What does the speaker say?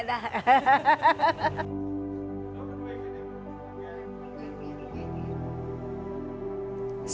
tidak mau lagi